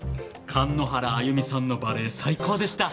神之原歩美さんのバレエ最高でした。